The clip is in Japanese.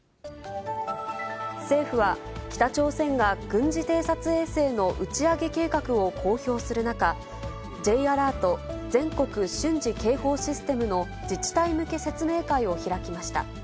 政府は、北朝鮮が軍事偵察衛星の打ち上げ計画を公表する中、Ｊアラート・全国瞬時警報システムの自治体向け説明会を開きました。